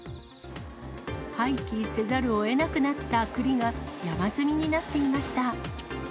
廃棄せざるをえなくなったくりが、山積みになっていました。